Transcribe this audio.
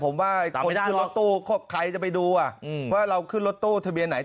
ผมว่าคนขึ้นรถตู้ใครจะไปดูว่าเราขึ้นรถตู้ทะเบียนไหน